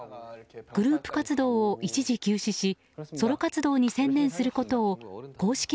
グループ活動を一時休止しソロ活動に専念することを公式